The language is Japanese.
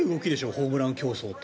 ホームラン競争って。